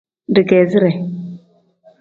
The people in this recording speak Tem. Digeezire.